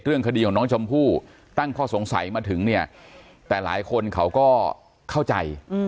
คดีของน้องชมพู่ตั้งข้อสงสัยมาถึงเนี่ยแต่หลายคนเขาก็เข้าใจ